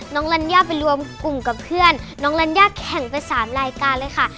น้องเรนย่าไปรวมกลุ่มกับเพื่อนน้องเรนย่าแข่งไปสามรายการเลยค่ะ